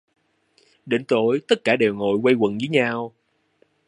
Đến tối tất cả đều ngồi quây quần với nhau